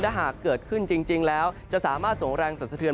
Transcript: ถ้าเข้ามาขึ้นจริงแล้วจะสามารถส่งแรงสังสเตือน